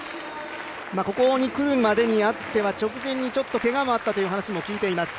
ここにくるまでにあっては、直前にけがもあったと聞いています。